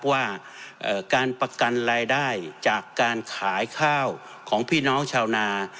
ว่าการประกันรายได้จากการขายข้าวของพี่น้องชาวนา